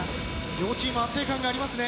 両チーム安定感がありますね。